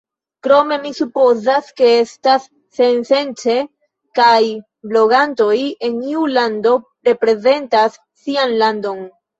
Krome, mi supozas ke estas sensence ke blogantoj en iu lando reprezentus sian landon.